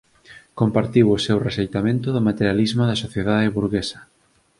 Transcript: Compartiu o seu rexeitamento do materialismo da sociedade burguesa